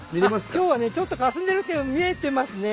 今日はねちょっとかすんでるけど見えてますね。